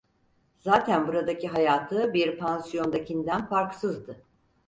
Zaten buradaki hayatı bir pansiyondakinden farksızdı.